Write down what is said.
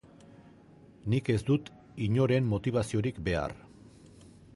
Nik ez dut inoren motibaziorik behar.